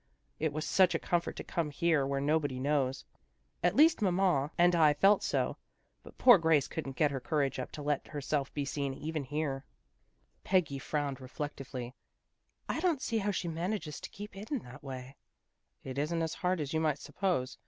It was such a comfort to come here where nobody knows. At least mamma and 252 THE GERLS OF FRIENDLY TERRACE I felt so, but poor Grace couldn't get her courage up to let herself be seen even here." Peggy frowned reflectively. " I don't see how she manages to keep hidden that way." " It isn't as hard as you might suppose.